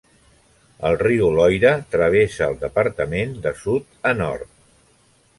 El riu Loira travessa el departament de sud a nord.